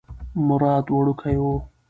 مراد وړوکی و.